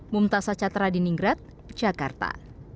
mumtaz sacatra di ninggrat jakarta